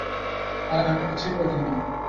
আরে আমি কিছু করি নাই।